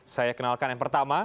saya kenalkan yang pertama